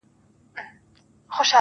خداى دي زما د ژوندون ساز جوړ كه.